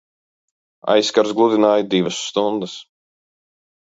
Aizkarus gludināju divas stundas!